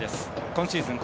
今シーズン